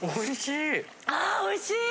おいしい！